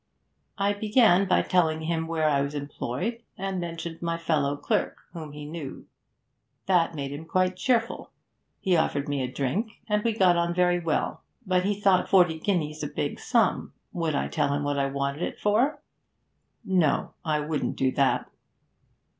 I began by telling him where I was employed, and mentioned my fellow clerk, whom he knew. That made him quite cheerful; he offered me a drink, and we got on very well. But he thought forty guineas a big sum; would I tell him what I wanted it for? No, I wouldn't do that.